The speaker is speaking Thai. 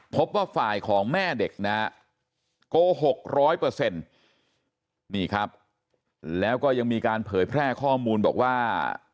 พบว่าฝ่ายของแม่เด็กนะฮะโกหกร้อยเปอร์เซ็นต์นี่ครับแล้วก็ยังมีการเผยแพร่ข้อมูลบอกว่า